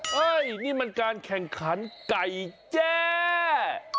เฮ้ยนี่มันการแข่งขันไก่แจ้